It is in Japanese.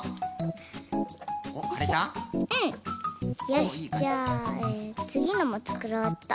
よしじゃあつぎのもつくろうっと。